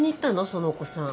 そのお子さん。